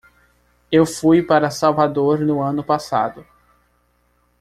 Eu fui para Salvador no ano passado.